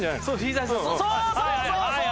そうそうそうそう！